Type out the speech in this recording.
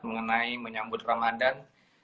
mengenai menyambut ramadhan